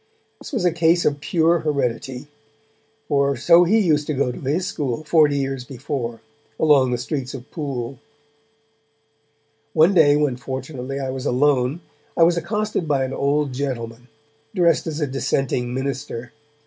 This was a case of pure heredity, for so he used to go to his school, forty years before, along the streets of Poole. One day when fortunately I was alone, I was accosted by an old gentleman, dressed as a dissenting minister.